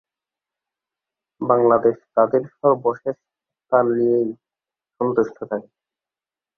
বাংলাদেশ তাদের সর্বশেষ স্থান নিয়েই সন্তুষ্ট থাকে।